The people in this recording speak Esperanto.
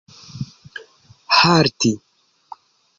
halti